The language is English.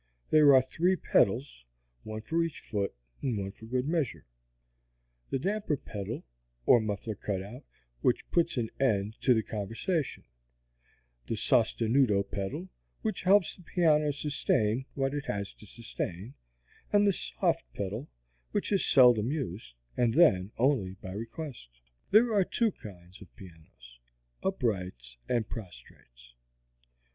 There are three pedals (one for each foot, and one for good measure): the damper pedal (or muffler cut out), which puts an end to conversation; the sostenuto pedal, which helps the piano sustain what it has to sustain; and the soft pedal, which is seldom used, and then only by request. There are two kinds of pianos uprights and prostrates.